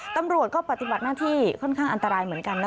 ตำรวจก็ปฏิบัติหน้าที่ค่อนข้างอันตรายเหมือนกันนะ